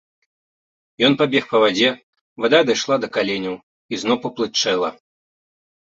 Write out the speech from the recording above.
Ён пабег па вадзе, вада дайшла да каленяў і зноў паплытчэла.